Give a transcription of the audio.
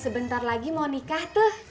sebentar lagi mau nikah tuh